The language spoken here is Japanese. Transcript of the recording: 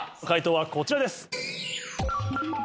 解答はこちらです。